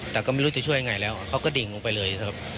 แต่ก็ไม่รู้จะช่วยยังไงแล้วเขาก็ดิ่งลงไปเลยครับ